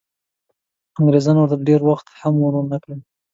انګریزانو ورته ډېر وخت هم ورنه کړ.